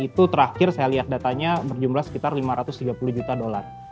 itu terakhir saya lihat datanya berjumlah sekitar lima ratus tiga puluh juta dolar